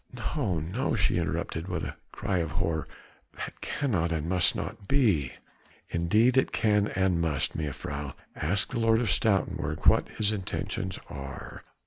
"No, no!" she interrupted with a cry of horror, "that cannot and must not be." "Indeed it can and must, mejuffrouw. Ask the Lord of Stoutenburg what his intentions are."